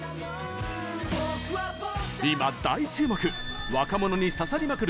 今、大注目若者に刺さりまくる